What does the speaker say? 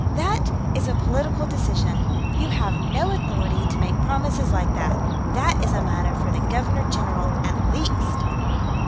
That is a political decision! You have no authority to make promises like that; that is a matter for the Governor General, at least!"